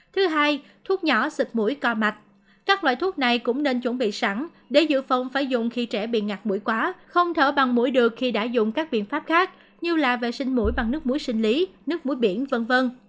thứ hai thuốc nhỏ xịt mũi co mạch các loại thuốc này cũng nên chuẩn bị sẵn để giữ phòng phải dùng khi trẻ bị ngạc mũi quá không thở bằng mũi được khi đã dùng các biện pháp khác như là vệ sinh mũi bằng nước muối sinh lý nước muối biển v v